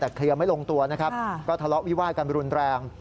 แต่เคลียร์ไม่ลงตัวนะครับก็ทะเลาะวิวาดกันรุนแรง